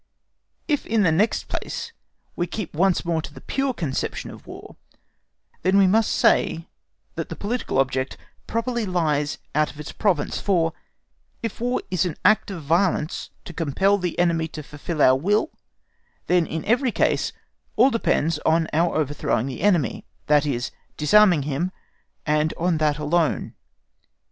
If, in the next place, we keep once more to the pure conception of War, then we must say that the political object properly lies out of its province, for if War is an act of violence to compel the enemy to fulfil our will, then in every case all depends on our overthrowing the enemy, that is, disarming him, and on that alone.